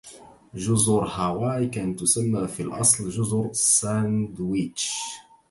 جزر هاواي كانت تسمى في الأصل جزر الساندويتش.